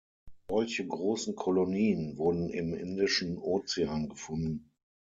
Solche großen Kolonien wurden im Indischen Ozean gefunden.